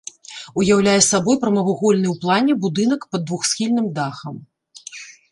Уяўляе сабой прамавугольны ў плане будынак пад двухсхільным дахам.